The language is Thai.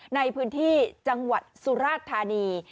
ในพื้นที่จังหวัดสุราธานี